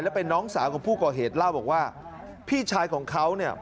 เป็นน้องสาวของผู้ก่อเหตุเล่าบอกว่าพี่ชายของเขาเนี่ย